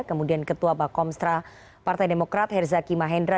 kemudian ketua pak komstra partai demokrat herzaki mahendra